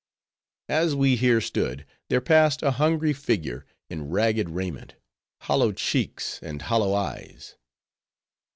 As we here stood, there passed a hungry figure, in ragged raiment: hollow cheeks, and hollow eyes.